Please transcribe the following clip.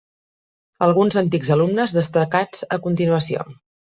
Alguns antics alumnes destacats a continuació.